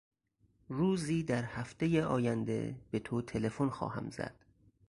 روزی در هفتهی آینده به تو تلفن خواهم زد.